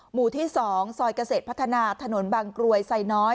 หมู่ที่๒ซอยเกษตรพัฒนาถนนบางกรวยไซน้อย